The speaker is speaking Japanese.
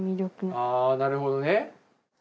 あー、なるほどね。